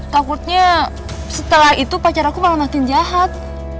takutnya setelah itu pacar aku malah makin jahat